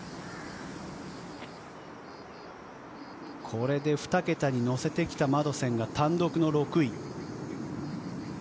これで２桁に乗せてきたマドセンが単独の６位。